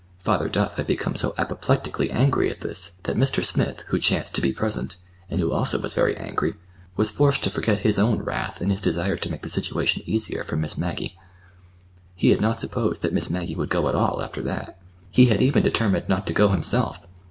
Father Duff had become so apoplectically angry at this that Mr. Smith, who chanced to be present, and who also was very angry, was forced to forget his own wrath in his desire to make the situation easier for Miss Maggie. He had not supposed that Miss Maggie would go at all, after that. He had even determined not to go himself.